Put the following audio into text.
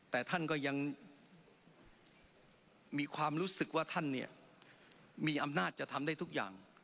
แต่ท่านก็ยังมีความรู้สึกว่าท่านเนี่ยมีอำนาจจะทำได้ทุกอย่าง